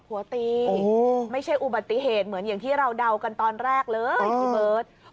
หัวตีไม่ใช่อุบัติเหตุเหมือนอย่างที่เราเดากันตอนแรกเลยพี่เบิร์ต